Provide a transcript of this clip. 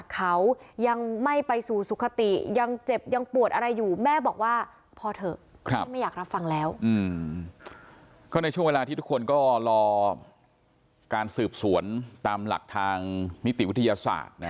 ก็ในช่วงเวลาที่ทุกคนก็รอการสืบสวนตามหลักทางมิติวิทยาศาสตร์